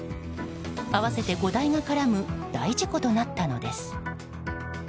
合わせて５台が絡む大事故となったのです。